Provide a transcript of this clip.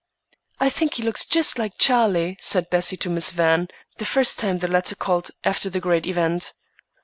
"I think he looks just like Charlie," said Bessie to Miss Van, the first time the latter called after the great event.